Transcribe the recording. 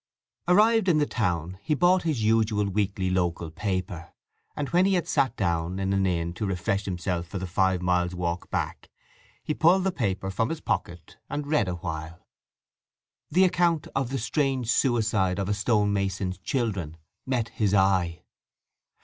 Arrived in the town he bought his usual weekly local paper; and when he had sat down in an inn to refresh himself for the five miles' walk back, he pulled the paper from his pocket and read awhile. The account of the "strange suicide of a stone mason's children" met his eye.